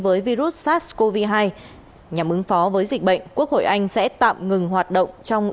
với virus sars cov hai nhằm ứng phó với dịch bệnh quốc hội anh sẽ tạm ngừng hoạt động trong